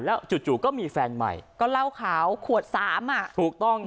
แล้วจู่จู่ก็มีแฟนใหม่ก็เหล้าขาวขวดสามอ่ะถูกต้อง